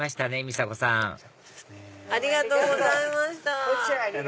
美佐子さんありがとうございました。